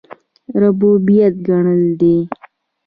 ربوبیت ګټل دی.